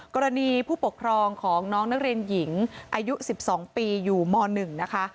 กรณีผู้ปกครองของน้องนักเรียนหญิงอายุ๑๒ปีอยู่ม๑นะคะ